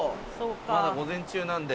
まだ午前中なんで。